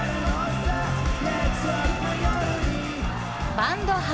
バンド初。